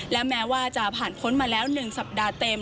และแม้ว่าจะผ่านพ้นมาแล้ว๑สัปดาห์เต็ม